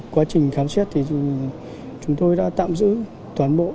quá trình khám xét thì chúng tôi đã tạm giữ toàn bộ